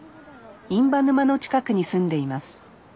印旛沼の近くに住んでいます。